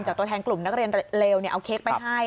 ตัวแทนกลุ่มนักเรียนเลวเอาเค้กไปให้